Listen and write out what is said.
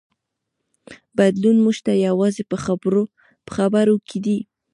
بدلون موږ ته یوازې په خبرو کې دی.